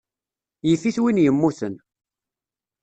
Yif-it win yemmuten.